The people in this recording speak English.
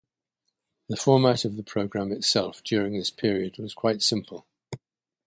The format of the program itself during this period was quite simple.